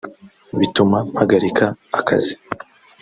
bituma mpagarika akazi